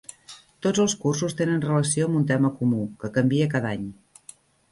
Tots els cursos tenen relació amb un tema comú, que canvia cada any.